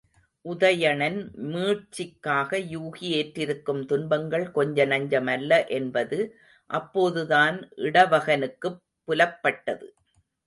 உதயணன் மீட்சிக்காக யூகி ஏற்றிருக்கும் துன்பங்கள் கொஞ்சநஞ்சமல்ல என்பது அப்போதுதான் இடவகனுக்குப் புலப்பட்டது.